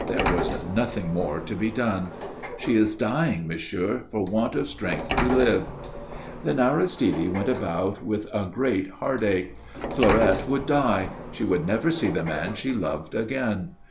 There was nothing more to be done. "She is dying, monsieur, for want of strength to live." Then Aristide went about with a great heartache. Fleurette would die; she would never see the man she loved again.